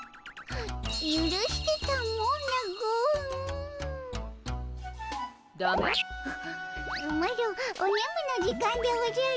あマロおねむの時間でおじゃる。